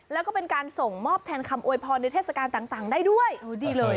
แล้วก็เป็นการส่งมอบแทนคำอวยพรในเทศกาลต่างได้ด้วยดีเลย